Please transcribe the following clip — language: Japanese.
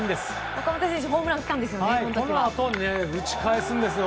岡本選手ホームラン打ったんですよね。